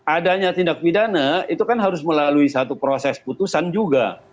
adanya tindak pidana itu kan harus melalui satu proses putusan juga